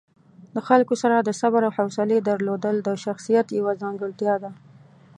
د خلکو سره د صبر او حوصلې درلودل د شخصیت یوه ځانګړتیا ده.